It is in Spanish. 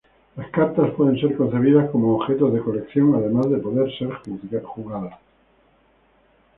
Las cartas pueden ser concebidas como objetos de colección además de poder ser jugadas.